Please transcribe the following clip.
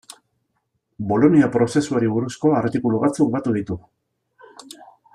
Bolonia prozesuari buruzko artikulu batzuk batu ditu.